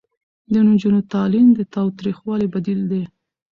د نجونو تعلیم د تاوتریخوالي بدیل دی.